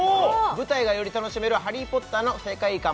舞台がより楽しめる「ハリー・ポッター」の世界観